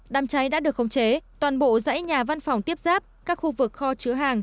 đám cháy đã được khống chế toàn bộ dãy nhà văn phòng tiếp giáp các khu vực kho chứa hàng